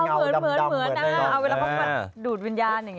เหมือนเฮ็ดเดินดูดวิญญาณ